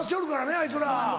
あいつら。